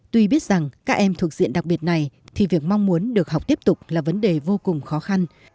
tuy biết rằng các em thuộc diện đặc biệt này thì việc mong muốn được học tiếp tục là vấn đề vô cùng khó khăn